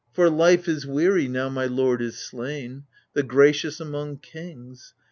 68 AGAMEMNON For life is weary, now my lord is slain, The gracious among kings !